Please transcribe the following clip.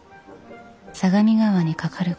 相模川に架かる